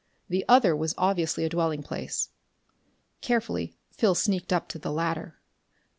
The other was obviously a dwelling place. Carefully Phil sneaked up to the latter.